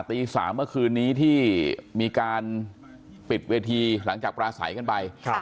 ตี๓เมื่อคืนนี้ที่มีการปิดเวทีหลังจากปราศัยกันไป